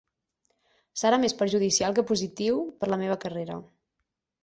Serà més perjudicial que positiu per la meva carrera.